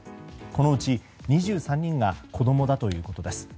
このうち２３人が子供だということです。